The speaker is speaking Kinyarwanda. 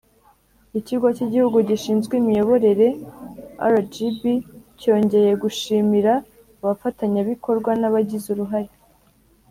Ikigo cy igihugu gishinzwe imiyoborere rgb cyongeye gushimira abafatanyabikorwa n abagize uruhare